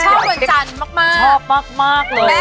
ชอบมากเลย